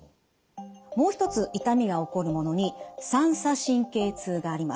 もう一つ痛みが起こるものに三叉神経痛があります。